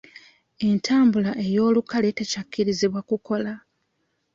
Entambula ey'olukale tekyakkirizibwa kukola.